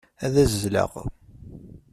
Ad azzleɣ.